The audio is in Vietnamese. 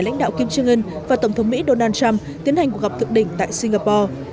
lãnh đạo kim jong un và tổng thống mỹ donald trump tiến hành cuộc gặp thượng đỉnh tại singapore